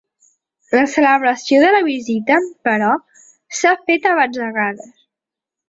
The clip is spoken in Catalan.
La celebració de la vista, però, s’ha fet a batzegades.